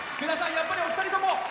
やっぱりお二人とも。